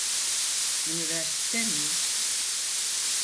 Üniversite mi?